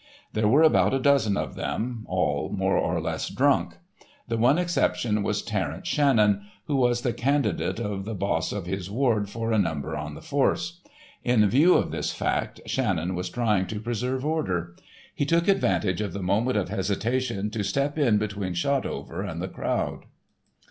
There were about a dozen of them, all more or less drunk. The one exception was Terence Shannon, who was the candidate of the boss of his ward for a number on the force. In view of this fact, Shannon was trying to preserve order. He took advantage of the moment of hesitation to step in between Shotover and the crowd.